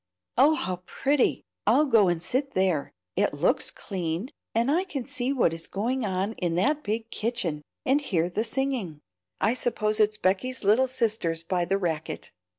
"Oh, how pretty! I'll go and sit there. It looks clean, and I can see what is going on in that big kitchen, and hear the singing. I suppose it's Becky's little sisters by the racket."